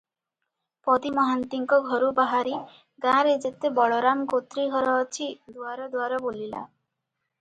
ପଦୀ ମହାନ୍ତିଙ୍କ ଘରୁ ବାହାରି ଗାଁରେ ଯେତେ ବଳରାମଗୋତ୍ରୀ ଘର ଅଛି, ଦୁଆର ଦୁଆର ବୁଲିଲା ।